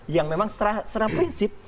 yang memang seterah prinsip